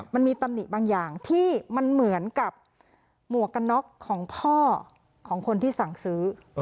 มันมีตำหนิบางอย่างที่มันเหมือนกับหมวกกันน็อกของพ่อของคนที่สั่งซื้อ